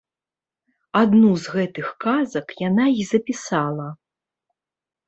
Адну з гэтых казак яна і запісала.